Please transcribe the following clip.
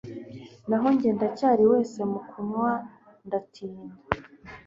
naho njye ndacyari wese mu kunywa ndatinda